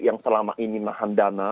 yang selama ini nahan dana